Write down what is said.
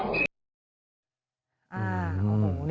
มีภาพจากกล้อมรอบหมาของเพื่อนบ้าน